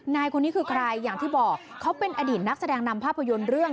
นายคนนี้คือใครอย่างที่บอกเขาเป็นอดีตนักแสดงนำภาพยนตร์เรื่อง